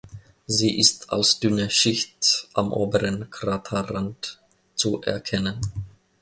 Sie ist als dünne Schicht am oberen Kraterrand zu erkennen.